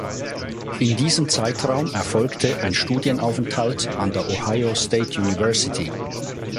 In diesem Zeitraum erfolgte ein Studienaufenthalt an der Ohio State University.